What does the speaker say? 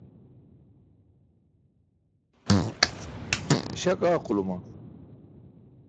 Aśak aaquluma.